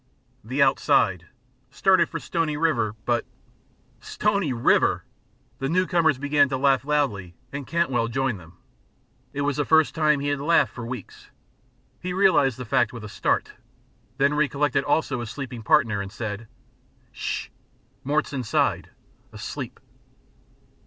"The 'outside.' Started for Stony River, but " "Stony River!" The newcomers began to laugh loudly and Cantwell joined them. It was the first time he had laughed for weeks. He realized the fact with a start, then recollected also his sleeping partner, and said: "Sh h! Mort's inside, asleep!"